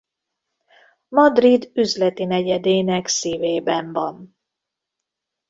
Madrid üzleti negyedének szívében van.